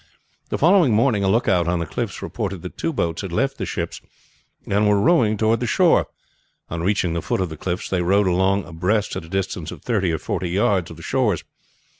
The following morning a lookout on the cliffs reported that two boats had left the ships and were rowing toward the shore. On reaching the foot of the cliffs they rowed along abreast at a distance of thirty or forty yards of the shores.